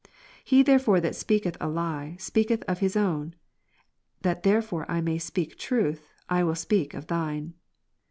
He therefore that speaketh a lie, speaketh of his own; that therefore I may speak truth, I will speak of Thine.